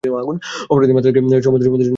অপরাধীর মাথা থেকে সমস্ত স্মৃতি নষ্ট করে দেয়া হয়।